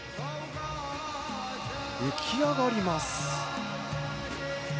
浮き上がります！